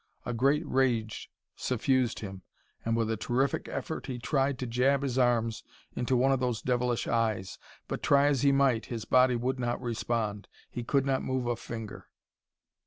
A great rage suffused him, and with a terrific effort he tried to jab his arms into one of those devilish eyes. But try as he might, his body would not respond. He could not move a finger.